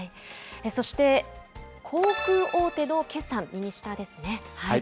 そして、航空大手の決算、右下ですね。